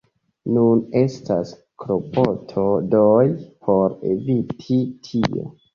Nun estas klopodoj por eviti tion.